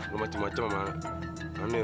lu macem macem sama aneh lu ya